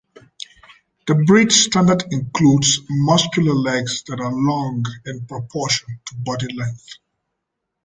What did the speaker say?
The breed standard includes muscular legs that are long in proportion to body length.